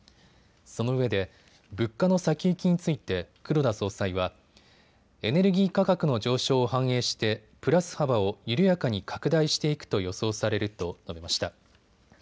そのうえで物価の先行きについて黒田総裁は、エネルギー価格の上昇を反映してプラス幅を緩やかに拡大していくと予想されると述べました。